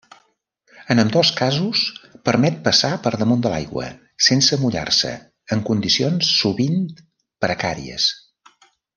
En ambdós casos permet passar per damunt de l'aigua sense mullar-se en condicions sovint precàries.